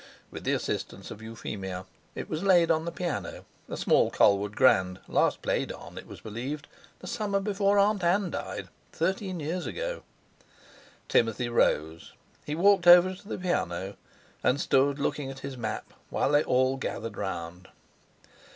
With the assistance of Euphemia it was laid on the piano, a small Colwood grand, last played on, it was believed, the summer before Aunt Ann died, thirteen years ago. Timothy rose. He walked over to the piano, and stood looking at his map while they all gathered round.